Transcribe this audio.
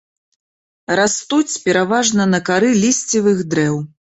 Растуць пераважна на кары лісцевых дрэў.